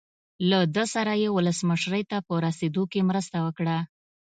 له ده سره یې ولسمشرۍ ته په رسېدو کې مرسته وکړه.